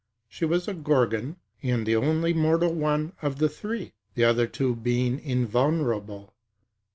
She was a Gorgon, and the only mortal one of the three, the other two being invulnerable.